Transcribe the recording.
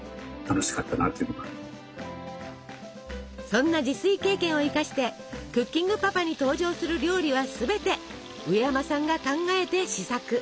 そんな自炊経験を生かして「クッキングパパ」に登場する料理はすべてうえやまさんが考えて試作。